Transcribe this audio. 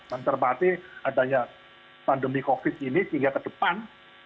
dan terpati adanya pandemi covid ini sehingga ke depan